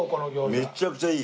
めちゃくちゃいい。